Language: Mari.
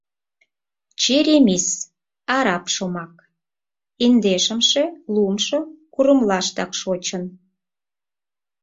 Черемис — араб шомак, индешымше-луымшо курымлаштак шочын.